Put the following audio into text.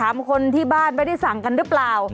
คนที่บ้านไม่ได้สั่งกันหรือเปล่า